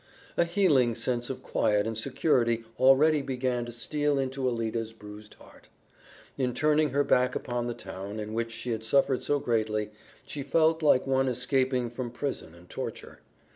A healing sense of quiet and security already began to steal into Alida's bruised heart. In turning her back upon the town in which she had suffered so greatly, she felt like one escaping from prison and torture.